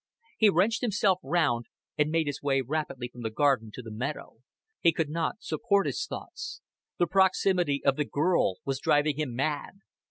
He wrenched himself round, and made his way rapidly from the garden to the meadow. He could not support his thoughts. The proximity of the girl was driving him mad.